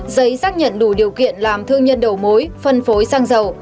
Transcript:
giấy xác nhận đủ điều kiện làm thương nhân đầu mối phân phối xăng dầu